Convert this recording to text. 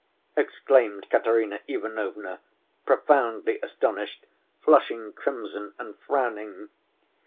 exclaimed Katerina Ivanovna, profoundly astonished, flushing crimson, and frowning.